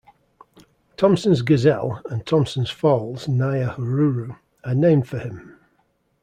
Thomson's Gazelle and Thomson's Falls, Nyahururu are named for him.